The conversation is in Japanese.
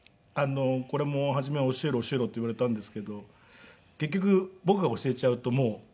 これも初めは「教えろ教えろ」って言われたんですけど結局僕が教えちゃうともう親子の関係ではなくなるというか。